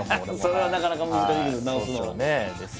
それはなかなか難しいけど直すのは。